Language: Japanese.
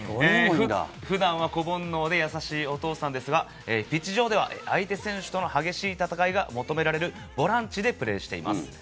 普段は子煩悩でやさしいお父さんですが、ピッチ上では相手選手との激しい戦いが求められるボランチでプレーしています。